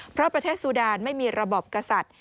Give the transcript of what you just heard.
เพราะประเทศซูดานไม่มีระบบกษัตริย์